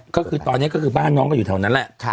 นั่นแหละตอนนี้ก็คือบ้านน้องก็อยู่เท่านั้นแหละ